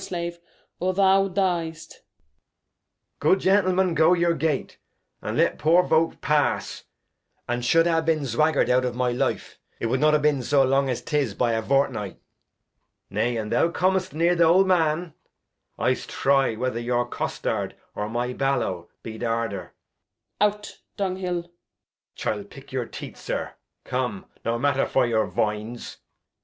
Slave, or thou Dyest. Edg. Good Gentlemen go your Gate, and let poor Volk pass; and Chu'd ha' bin' Zwagger'd out of my 236 The History of [Act iv Life, it wou'd not a bin zo long as 'tis by a Vort Night. Nay, an' thou com'st near th' old Man, I'st try whether your Costard, or my Ballow be th' harder. Gent. Out Dunghil. Edg. ChiU pick your Teeth, Zir ; come, no Matter vor your Voines.